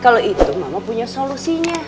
kalau itu mama punya solusinya